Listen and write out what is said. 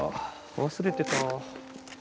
忘れてた。